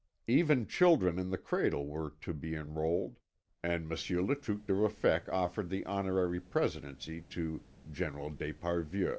Even children in the cradle were to be enrolled, and Monsieur le Truc de Ruffec offered the honorary presidency to General d'Esparvieu.